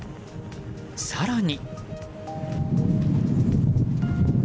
更に。